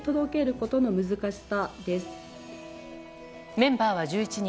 メンバーは１１人。